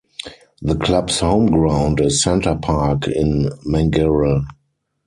The club's home ground is Centre Park in Mangere.